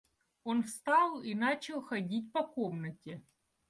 Он встал и начал ходить по комнате.